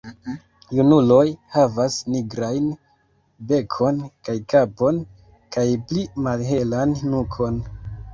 Junuloj havas nigrajn bekon kaj kapon kaj pli malhelan nukon.